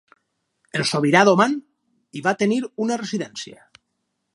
El sobirà d'Oman hi va tenir una residència.